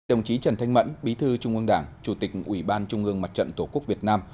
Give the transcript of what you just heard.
đồng chí trần thanh mẫn bí thư trung ương đảng chủ tịch ủy ban trung ương mặt trận tổ quốc việt nam